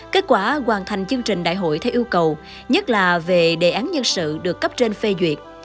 kết quả hoàn thành chương trình đại hội theo yêu cầu nhất là về đề án nhân sự được cấp trên phê duyệt